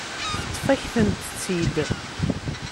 Teṭṭef-akent-tt-id.